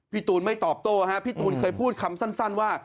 ตูนไม่ตอบโต้ฮะพี่ตูนเคยพูดคำสั้นว่า